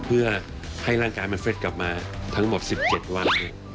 เพื่อให้ร่างกายมันเฟ็ดกลับมาทั้งหมด๑๗วัน